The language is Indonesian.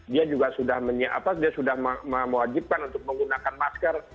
dia juga sudah mewajibkan untuk menggunakan masker